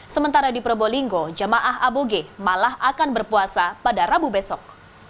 sementara di probolinggo jemaah aboge malah akan berpuasa pada rabu besok